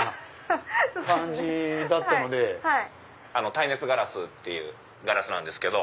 耐熱ガラスっていうガラスなんですけど。